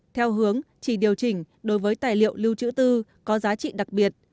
theo hướng chỉ điều chỉnh đối với tài liệu lưu trữ tư có giá trị đặc biệt